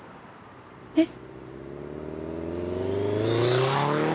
えっ？